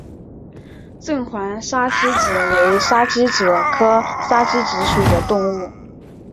正环沙鸡子为沙鸡子科沙子鸡属的动物。